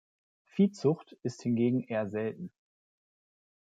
Viehzucht ist hingegen eher selten.